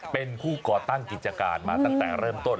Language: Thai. เป็นผู้ก่อตั้งกิจการมาตั้งแต่เริ่มต้น